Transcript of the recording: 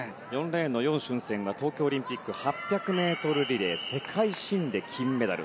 ４レーンのヨウ・シュンセンは東京オリンピックで８００ｍリレー世界新で金メダル。